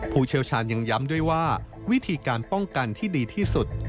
ผู้เชี่ยวชาญยังย้ำด้วยว่าวิธีการป้องกันที่ดีที่สุด